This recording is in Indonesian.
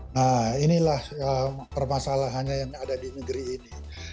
nah inilah permasalahannya yang ada di negeri ini